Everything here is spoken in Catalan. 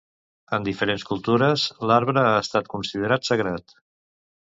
En diferents cultures l'arbre ha estat considerat sagrat.